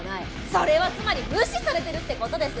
それはつまり無視されてるって事です。